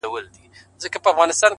علم د ژوند معنا زیاتوي,